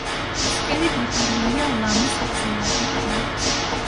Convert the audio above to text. ფსკერი დაფარულია ლამის მძლავრი ფენით.